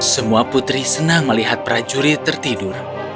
semua putri senang melihat prajurit tertidur